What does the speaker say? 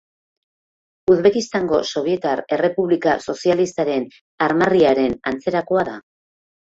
Uzbekistango Sobietar Errepublika Sozialistaren armarriaren antzerakoa da.